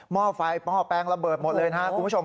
ม่อไฟม่อแป้งระเบิดหมดเลยนะคุณผู้ชม